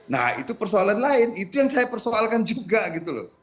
nah itu persoalan lain itu yang saya persoalkan juga gitu loh